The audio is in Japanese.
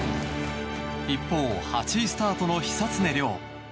一方、８位スタートの久常涼。